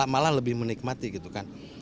malah lebih menikmati gitu kan